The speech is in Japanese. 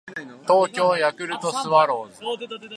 東京ヤクルトスワローズ